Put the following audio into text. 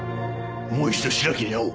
もう一度白木に会おう。